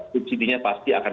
subsidinya pasti akan